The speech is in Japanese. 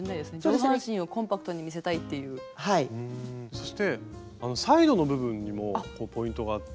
そしてサイドの部分にもポイントがあって。